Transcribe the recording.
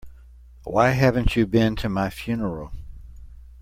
Why haven't you been to my funeral?